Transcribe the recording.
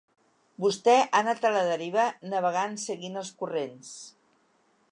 Vostè ha anat a la deriva, navegant seguint els corrents.